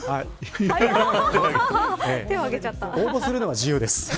応募するのは自由です。